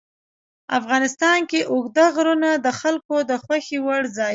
افغانستان کې اوږده غرونه د خلکو د خوښې وړ ځای دی.